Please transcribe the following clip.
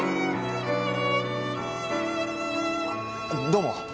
どうも。